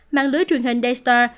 mạng lưới truyền hình dastom